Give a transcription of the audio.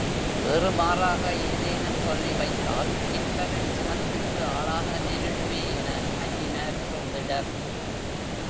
ஏறுமாறாக ஏதேனும் சொல்லி வைத்தால், ஹிட்லரின் சினத்துக்கு ஆளாக நேரிடுமே என அஞ்சினார் சோதிடர்.